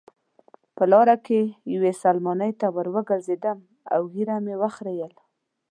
په لاره کې یوې سلمانۍ ته وروګرځېدم او ږیره مې وخریل.